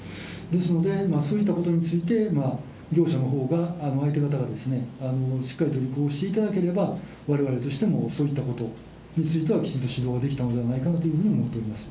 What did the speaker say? ですので、そういったことについて、業者のほうが、相手の側がしっかりと履行していただければ、われわれとしてもそういったことについてはきちんと指導できたのではないかなというふうに思っております。